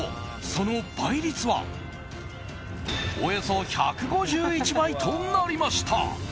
その倍率はおよそ１５１倍となりました。